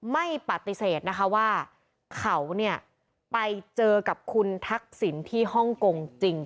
ไม่ปฏิเสธนะคะว่าเขาเนี่ยไปเจอกับคุณทักษิณที่ฮ่องกงจริง